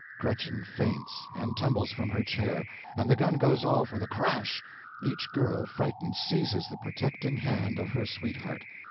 (GRETCHEN faints, and tumbles from her chair, and the gun goes off with a crash. Each girl, frightened, seizes the protecting hand of her sweetheart.